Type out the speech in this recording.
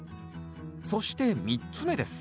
そして３つ目です